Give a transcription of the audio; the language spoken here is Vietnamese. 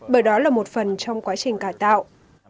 bởi đó là một phần trong quá trình cải tạo